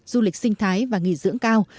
du lịch sinh thái và nghỉ dưỡng cao